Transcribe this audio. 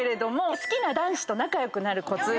「スキな男子と仲良くなるコツ」